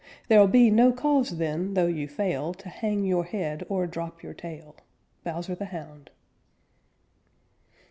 There'll be no cause then, though you fail, To hang your head or drop your tail. _Bowser the Hound.